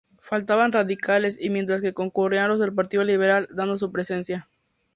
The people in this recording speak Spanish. Faltaban radicales, y mientras que concurrían los del partido liberal, dando su presencia.